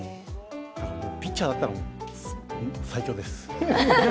ピッチャーだったら、最強です。